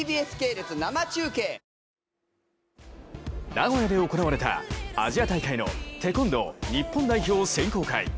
名古屋で行われたアジア大会のテコンドー日本代表選考会。